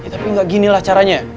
ya tapi gak ginilah caranya